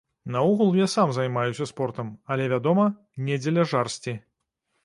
Наогул я сам займаюся спортам, але, вядома, не дзеля жарсці.